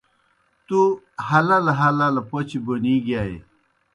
تُو ہلہ ہلہ پوْچہ بونی گِیائے۔